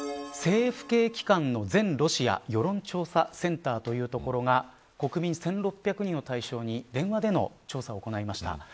政府系機関の全ロシア世論調査センターというところが国民１６００人を対象に電話での調査を行いました。